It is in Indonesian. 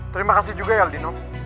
terima kasih juga ya aldino